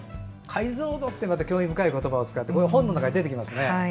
解像度っていう興味深い言葉を使ってますけど本の中に出てきますね。